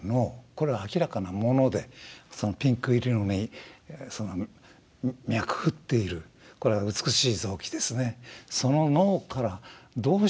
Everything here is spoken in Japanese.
これは明らかな物でピンク色にその脈打っているこれは美しい臓器ですね。